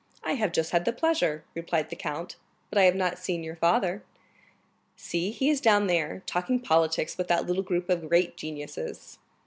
"I have just had the pleasure," replied the count; "but I have not seen your father." "See, he is down there, talking politics with that little group of great geniuses."